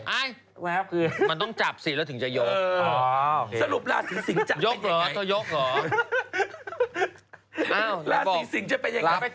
อะไรมันต้องจับสิแล้วอยู่โอ้โหสรุปล่าศรีสิงค์จะเป็นยังไง